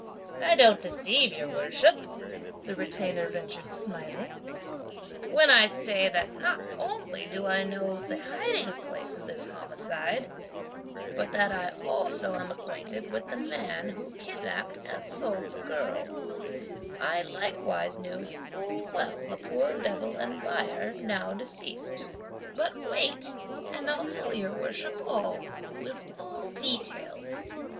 "I don't deceive your Worship," the Retainer ventured smiling, "when I say that not only do I know the hiding place of this homicide, but that I also am acquainted with the man who kidnapped and sold the girl; I likewise knew full well the poor devil and buyer, now deceased. But wait, and I'll tell your worship all, with full details.